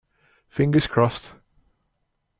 Fingers crossed!